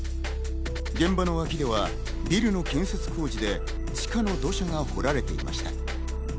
現場の脇ではビルの建設工事で地下の土砂が掘られていました。